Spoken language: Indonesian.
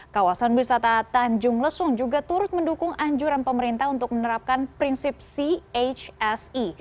kawasan wisata tanjung lesung juga turut mendukung anjuran pemerintah untuk menerapkan prinsip chse